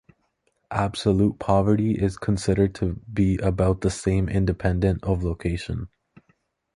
Absolute poverty is considered to be about the same independent of location.